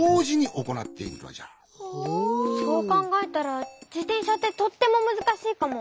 そうかんがえたらじてんしゃってとってもむずかしいかも。